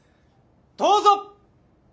どうぞ！